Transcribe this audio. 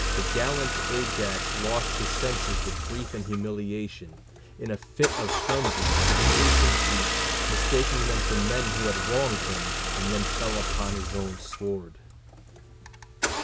The gallant Ajax lost his senses with grief and humiliation: in a fit of frenzy he slew some sheep, mistaking them for the men who had wronged him, and then fell upon his own sword.